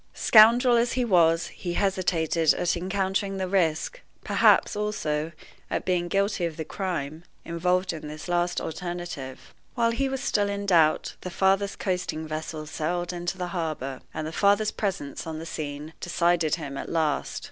Scoundrel as he was, he hesitated at encountering the risk perhaps, also, at being guilty of the crime involved in this last alternative. While he was still in doubt, the father's coasting vessel sailed into the harbor, and the father's presence on the scene decided him at last.